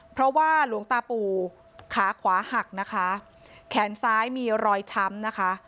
เพราะว่าหลวงตาปู่ขาขวาหักนะคะแขนซ้ายมีรอยช้ำนะคะ